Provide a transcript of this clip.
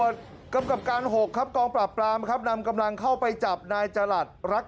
ตอนนี้ก็ยิ่งแล้ว